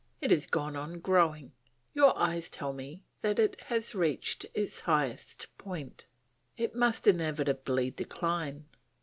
It has gone on growing; your eyes tell me that it has reached its highest point; it must inevitably decline."